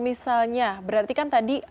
misalnya berarti kan tadi